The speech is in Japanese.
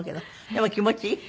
でも気持ちいい？